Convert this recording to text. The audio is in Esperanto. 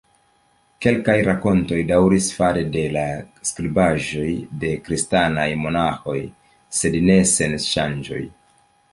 Kelkaj rakontoj daŭris fare de la skribaĵoj de Kristanaj monaĥoj, sed ne sen ŝanĝoj.